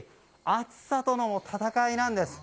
暑さとの闘いなんです。